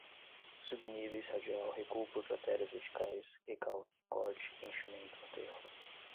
subníveis, radial, recuo por crateras verticais, recalque, corte, enchimento, aterro